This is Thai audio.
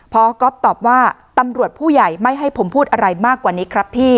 พอก๊อฟตอบว่าตำรวจผู้ใหญ่ไม่ให้ผมพูดอะไรมากกว่านี้ครับพี่